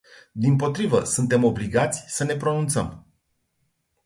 Dimpotrivă, suntem obligați să ne pronunțăm.